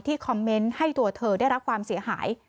คอมเมนต์ให้ตัวเธอได้รับความเสียหาย